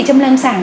châm lên sàng